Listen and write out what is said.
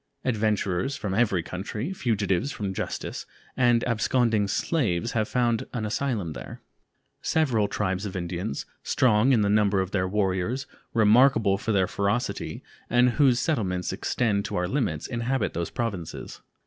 Adventurers from every country, fugitives from justice, and absconding slaves have found an asylum there. Several tribes of Indians, strong in the number of their warriors, remarkable for their ferocity, and whose settlements extend to our limits, inhabit those Provinces.